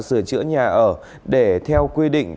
sửa chữa nhà ở để theo quyết định